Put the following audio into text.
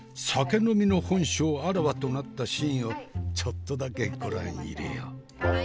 酒呑みの本性あらわとなったシーンをちょっとだけご覧に入れよう。